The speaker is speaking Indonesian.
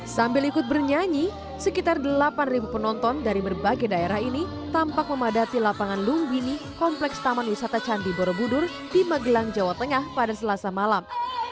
sambil ikut bernyanyi sekitar delapan penonton dari berbagai daerah ini tampak memadati lapangan lungbini kompleks taman wisata candi borobudur di magelang jawa tengah pada selasa malam